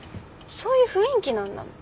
そういう雰囲気なんだもん。